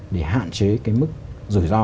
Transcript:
để hạn chế mức rủi ro